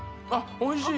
おいしい